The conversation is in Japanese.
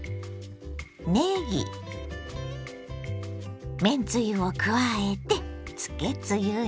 ねぎめんつゆを加えてつけつゆに。